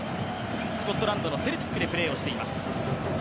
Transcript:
スコットランドのセルティックでプレーしています。